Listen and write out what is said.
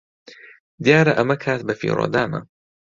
دیارە ئەمە کات بەفیڕۆدانە.